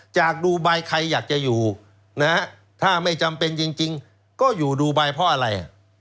จากดูใบใครอยากจะอยู่นะฮะถ้าไม่จำเป็นจริงก็อยู่ดูไบเพราะอะไร